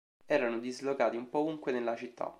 Erano dislocati un po' ovunque nella città.